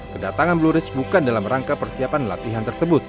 kedatangan blue rich bukan dalam rangka persiapan latihan tersebut